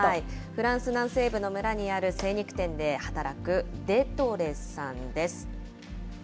フランス南西部の村にある精肉店で働くデトレさんです。